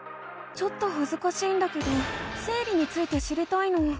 ちょっとはずかしいんだけど生理について知りたいの。